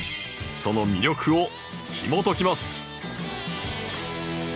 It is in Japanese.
その魅力をひもときます！